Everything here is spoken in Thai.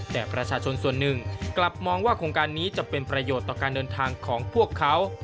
แต่ประชาชนส่วนหนึ่งกลับมองว่าโครงการนี้จะเป็นประโยชน์ต่อการเดินทางของพวกเขา